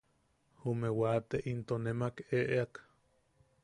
Jume wate into nemak eʼeak.